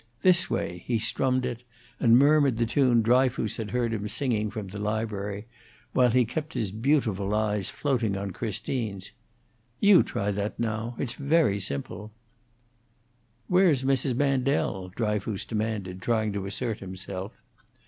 "This way!" He strummed it, and murmured the tune Dryfoos had heard him singing from the library, while he kept his beautiful eyes floating on Christine's. "You try that, now; it's very simple." "Where is Mrs. Mandel?" Dryfoos demanded, trying to assert himself.